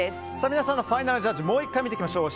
皆さんのファイナルジャッジもう１回見ていきましょう。